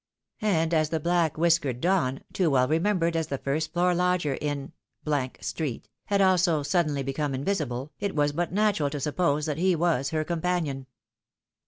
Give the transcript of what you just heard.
And as the black whiskered Don (too well remembered as the first floor lodger in street) had also suddenly become invisible, it was but natural to suppose that he was her companion.